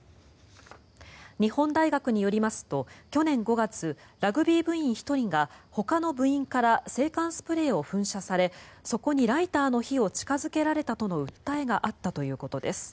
日本大学によりますと、去年５月ラグビー部員１人がほかの部員から制汗スプレーを噴射されそこにライターの火を近付けられたとの訴えがあったということです。